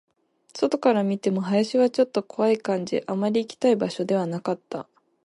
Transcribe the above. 外から見ても、林はちょっと怖い感じ、あまり行きたい場所ではなかった